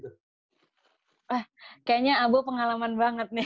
ah kayaknya abo pengalaman banget nih